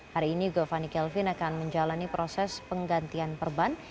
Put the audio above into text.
hari ini govani kelvin akan menjalani proses penggantian perban